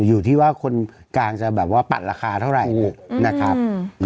อยู่ที่ว่าคนกลางจะแบบว่าปั่นราคาเท่าไหร่นะครับ